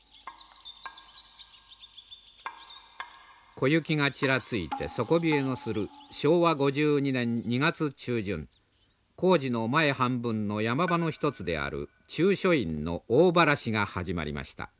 小雪がちらついて底冷えのする昭和５２年２月中旬工事の前半分の山場の一つである中書院の大ばらしが始まりました。